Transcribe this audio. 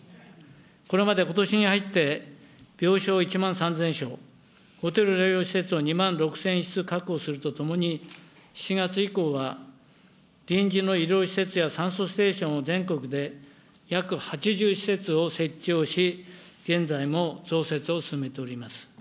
これまでことしに入って、病床１万３０００床、ホテル療養施設を２万６０００室確保するとともに、７月以降は臨時の医療施設や酸素ステーションを全国で約８０施設を設置をし、現在も増設を進めております。